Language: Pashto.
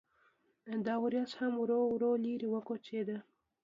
دا وریځ هم ورو ورو لرې وکوچېده.